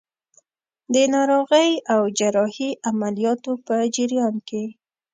د ناروغۍ او جراحي عملیاتو په جریان کې.